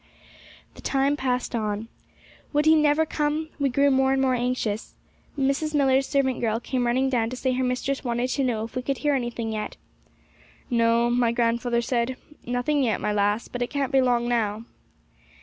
The time passed on. Would he never come? We grew more and more anxious. Mrs. Millar's servant girl came running down to say her mistress wanted to know if we could hear anything yet. 'No,' my grandfather said, 'nothing yet, my lass; but it can't be long now.'